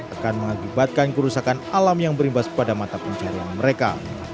akan mengakibatkan kerusakan alam yang berimbas pada mata pencarian mereka